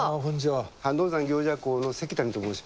飯道山行者講の関谷と申します。